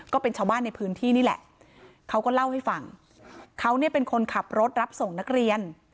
ก็เป็นชาวบ้านในพื้นที่นี่แหละเขาก็เล่าให้ฟังเขาเนี่ยเป็นคนขับรถรับส่งนักเรียน